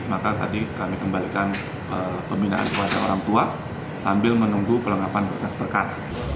maka tadi kami kembalikan pembinaan keuangan orang tua sambil menunggu pelengkapan bekas berkat